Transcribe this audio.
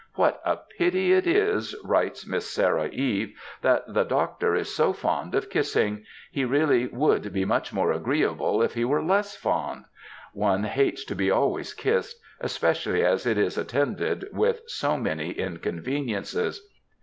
" What a pity it is," writes Miss Sarah Eve, '^ that the doctor is so fond of kissing. He really would be much more agreeable if he were less fond. One hates to be always kissed, especially as it is attended with so many inconveniences.